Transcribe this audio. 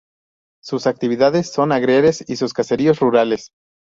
Sus actividades son agrarias y sus caseríos rurales.